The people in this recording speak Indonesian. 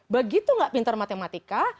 begitu nggak pintar matematika